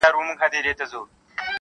• څوک وتله څوک په غار ننوتله,